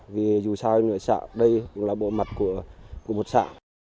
vì dù sao hay người xã đây cũng là bộ mặt của một xã